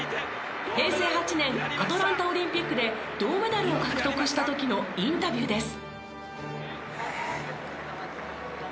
平成８年アトランタオリンピックで銅メダルを獲得した時のインタビューです。